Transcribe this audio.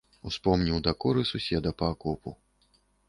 Успомніў дакоры суседа па акопу.